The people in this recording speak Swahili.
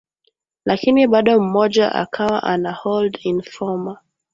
lakini bado mmoja akawa anahold informa